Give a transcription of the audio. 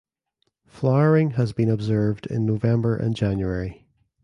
Flowering has been observed in November and January.